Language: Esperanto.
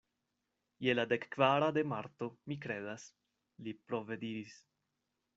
"Je la dekkvara de Marto, mi kredas," li prove diris.